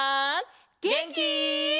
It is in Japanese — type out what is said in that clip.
げんき？